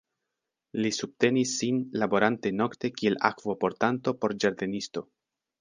Li subtenis sin laborante nokte kiel akvo-portanto por ĝardenisto.